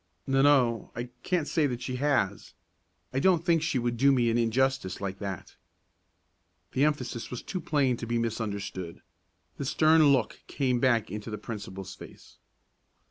"N no, I can't say that she has. I don't think she would do me an injustice like that." The emphasis was too plain to be misunderstood. The stern look came back into the principal's face.